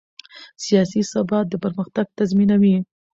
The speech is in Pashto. سیاسي ثبات پرمختګ تضمینوي